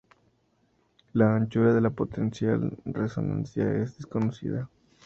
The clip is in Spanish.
La anchura de la potencial resonancia es desconocida.